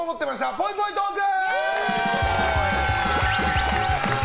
ぽいぽいトーク。